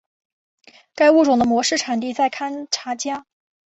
该物种的模式产地在堪察加。